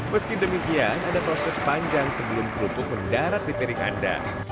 meski demikian ada proses panjang sebelum kerupuk mendarat di piring anda